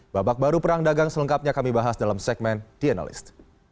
babak baru perang dagang selengkapnya kami bahas dalam segmen the analyst